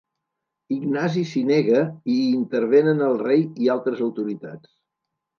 Ignasi s'hi nega i intervenen el rei i altres autoritats.